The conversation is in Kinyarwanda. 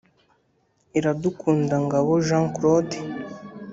Iradukunda Ngabo Jean Claude